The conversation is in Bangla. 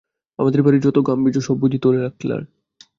আমাদের বাড়ির যত কিছু গাম্ভীর্য সব বুঝি তোর একলার?